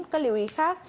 bốn các lưu ý khác